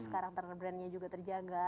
sekarang brandnya juga terjaga